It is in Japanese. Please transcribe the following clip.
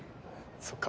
そっか。